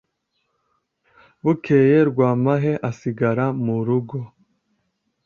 Bukeye Rwamahe asigara mu rugo